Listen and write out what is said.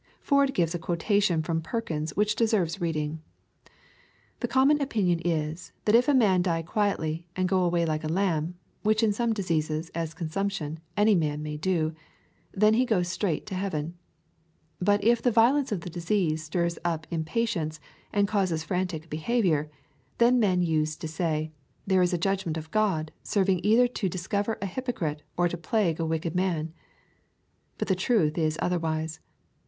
112 EXPOSITORY THOUGHTS. Ford gives a quotation from Perkins which deserves reading ^ The common opinion is, that if a man die quietly, and go away Eke a lamb, (which in some diseases, as consumption, 'any man may do,) then he goes straight to heaven. But if the violence of the disease stirs up impatience, and causes frantic behavior, then men use to say, ' There is a judgment of G od, serving either to discover a hypocrite or to plague a wicked man.* But the truth is otherwise.